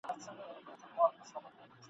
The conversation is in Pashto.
دوه او درې ځایه یې تور وو غوړولی !.